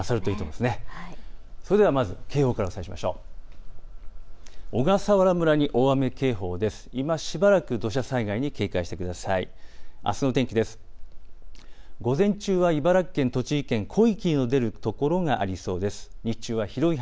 いましばらく土砂災害に警戒してください。